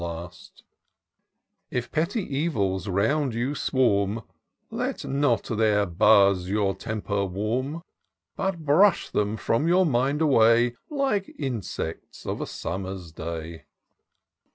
342 TOUR OF DOCTOR SYNTAX " If petty evils round you swarm^ Let not their buzz your temper warm, But brush them from your mind away, Like insects of a summer's day.